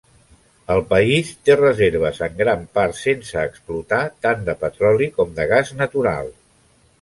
El país té reserves en gran part sense explotar tant de petroli com de gas natural.